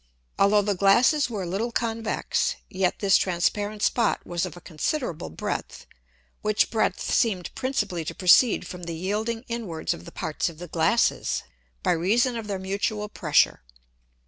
Although the Glasses were a little convex, yet this transparent spot was of a considerable breadth, which breadth seemed principally to proceed from the yielding inwards of the parts of the Glasses, by reason of their mutual pressure.